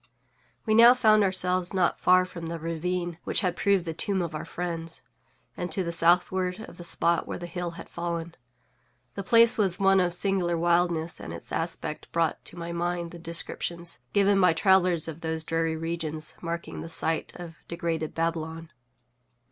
We now found ourselves not far from the ravine which had proved the tomb of our friends, and to the southward of the spot where the hill had fallen. The place was one of singular wildness, and its aspect brought to my mind the descriptions given by travellers of those dreary regions marking the site of degraded Babylon.